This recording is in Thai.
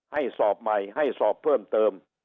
สอบใหม่ให้สอบเพิ่มเติม